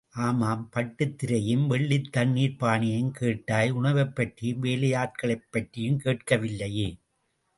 ஆமாம், பட்டுத் திரையும், வெள்ளித் தண்ணிர்ப் பானையும் கேட்டாய், உணவைப் பற்றியும் வேலையாட்களைப் பற்றியும் கேட்கவில்லையே.